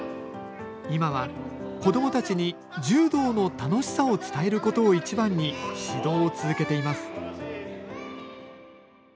今は子どもたちに柔道の楽しさを伝えることを一番に指導を続けています